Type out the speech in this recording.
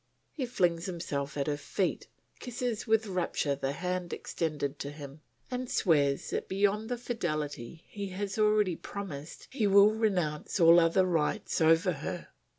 He flings himself at her feet, kisses with rapture the hand extended to him, and swears that beyond the fidelity he has already promised, he will renounce all other rights over her.